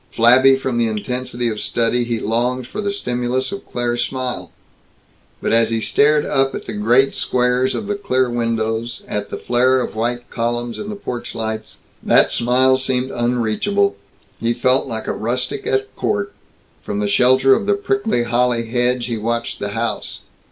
Flabby from the intensity of study, he longed for the stimulus of Claire's smile. But as he stared up at the great squares of the clear windows, at the flare of white columns in the porch lights, that smile seemed unreachable. He felt like a rustic at court. From the shelter of the prickly holly hedge he watched the house.